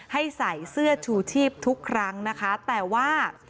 ให้ใส่เสื้อชูชีพทุกครั้งนะคะแต่ว่า